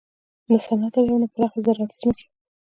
نه صنعت لري او نه پراخې زراعتي ځمکې.